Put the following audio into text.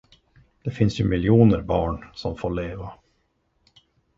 Det finns ju millioner barn, som få leva.